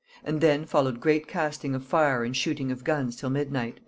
"And then followed great casting of fire and shooting of guns till midnight."